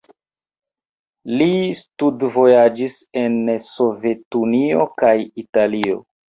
Li studvojaĝis en Sovetunio kaj Italio.